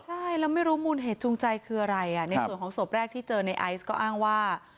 ใช่แล้วไม่รู้มูลเหตุจูงใจคืออะไรในส่วนของศพแรกที่เจอในไอซ์ก็อ้างว่า